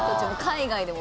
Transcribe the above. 海外でも。